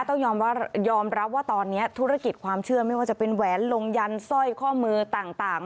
ยอมรับยอมรับว่าตอนนี้ธุรกิจความเชื่อไม่ว่าจะเป็นแหวนลงยันสร้อยข้อมือต่าง